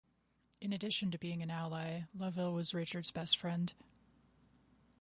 In addition to being an ally, Lovell was Richard's best friend.